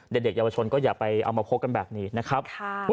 เด็กเยาวชนก็อย่าไปเอามาพกกันแบบนี้นะครับ